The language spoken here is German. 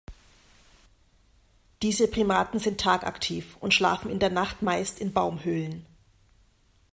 Diese Primaten sind tagaktiv und schlafen in der Nacht meist in Baumhöhlen.